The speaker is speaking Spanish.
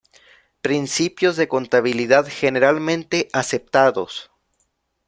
Principios de Contabilidad Generalmente Aceptados